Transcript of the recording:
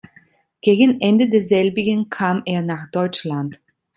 Gegen Ende des selbigen kam er nach Deutschland.